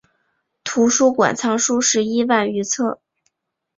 图书馆藏书十一万余册。